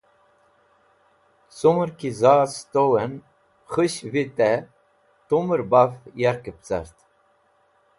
Cũmẽr ki za cẽ sẽtuwnẽn khũsh vitẽ tumẽr baf yarkẽb cart.